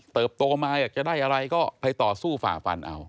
โตมาอยากจะได้อะไรก็ไปต่อสู้ฝ่าฟันเอา